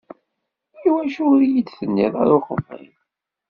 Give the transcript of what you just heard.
Iwacu ur yi-d-tenniḍ ara uqbel?